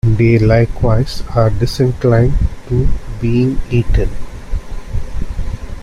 They likewise are disinclined to being eaten.